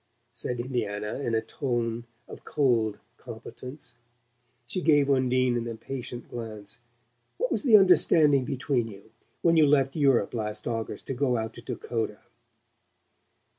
said Indiana in a tone of cold competence. She gave Undine an impatient glance. "What was the understanding between you, when you left Europe last August to go out to Dakota?"